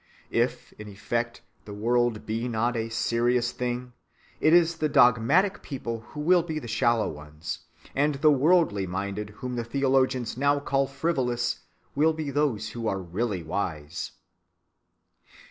If in effect the world be not a serious thing, it is the dogmatic people who will be the shallow ones, and the worldly minded whom the theologians now call frivolous will be those who are really wise.